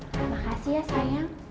terima kasih ya sayang